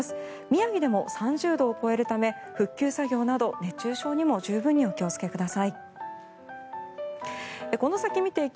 宮城でも３０度を超えるため復旧作業など熱中症にも十分にお気をつけください。